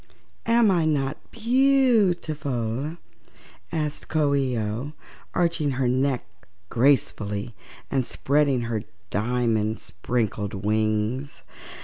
"Am I not beautiful?" asked Coo ee oh, arching her neck gracefully and spreading her diamond sprinkled wings.